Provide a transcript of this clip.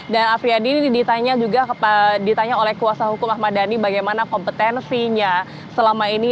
dan afriyadi ditanya juga oleh kuasa hukum ahmad dhani bagaimana kompetensinya selama ini